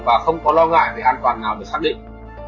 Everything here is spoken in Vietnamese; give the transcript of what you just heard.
và không có lo ngại về an toàn nào được xác định